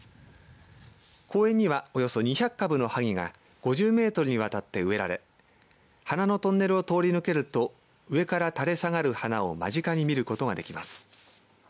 公園にはおよそ２００株のはぎが５０メートルにわたって植えられ花のトンネルを通り抜けると上から垂れさがる花を間近に見ることができます。